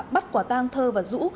bắt quả tang thơ và rũ